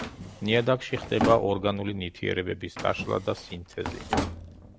ნიადაგში ხდება ორგანული ნივთიერების დაშლა და სინთეზი.